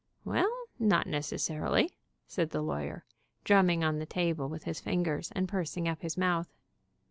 "Well, not necessarily," said the lawyer, drumming on the table with his fingers, and pursing up his mouth.